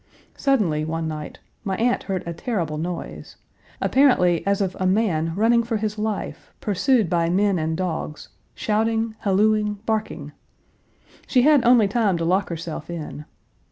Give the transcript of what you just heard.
Suddenly, one night, my aunt heard a terrible noise apparently as of a man running for his life, pursued by men and dogs, shouting, hallowing, barking. She had only time to lock herself in.